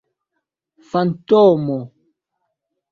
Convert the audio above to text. fantomo